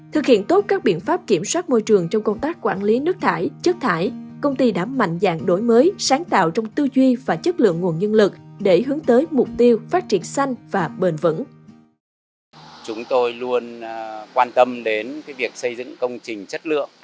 thực hiện tốt các biện pháp kiểm soát môi trường trong công tác quản lý nước thải chất thải công ty đã mạnh dạng đổi mới sáng tạo trong tư duy và chất lượng nguồn nhân lực để hướng tới mục tiêu phát triển xanh và bền vững